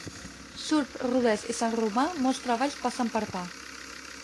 Surp, Rodés i Sant Romà molts treballs passen per pa.